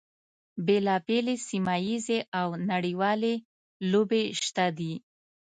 بیلا بېلې سیمه ییزې او نړیوالې لوبې شته دي.